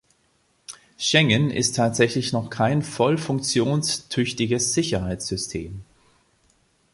Schengen ist tatsächlich noch kein voll funktionstüchtiges Sicherheitssystem.